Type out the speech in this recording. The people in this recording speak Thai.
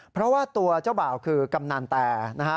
เพราะว่าตัวเจ้าบ่าวคือกำนันแต่นะฮะ